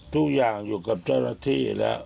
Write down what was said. ทุกอย่างอยู่กับเจ้าหน้าที่แล้ว